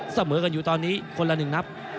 เสมอกันอยู่ตอนนี้คนละ๑นับ